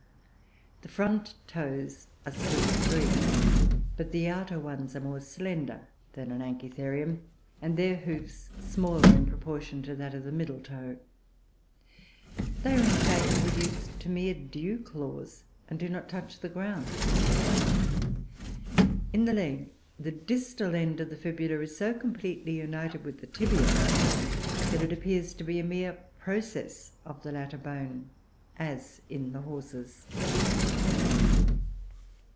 The front toes are still three, but the outer ones are more slender than in Anchitherium, and their hoofs smaller in proportion to that of the middle toe; they are, in fact, reduced to mere dew claws, and do not touch the ground. In the leg, the distal end of the fibula is so completely united with the tibia that it appears to be a mere process of the latter bone, as in the Horses.